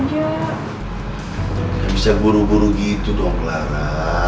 tidak bisa buru buru gitu dong clara